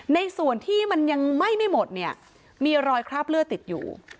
ในส่วนที่มันยังไหม้ไม่หมดเนี่ยมีรอยคราบเลือดติดอยู่